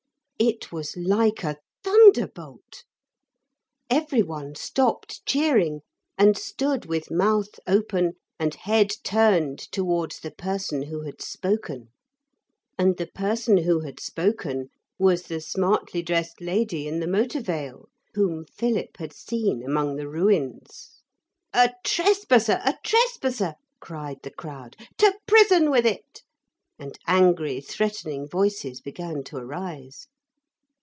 It was like a thunderbolt. Every one stopped cheering and stood with mouth open and head turned towards the person who had spoken. And the person who had spoken was the smartly dressed lady in the motor veil, whom Philip had seen among the ruins. 'A trespasser! a trespasser!' cried the crowd; 'to prison with it!' and angry, threatening voices began to arise.